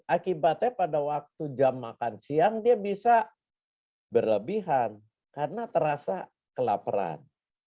akibatnya pada waktu jam makan siang dia bisa berlebihan karena terasa kelaparan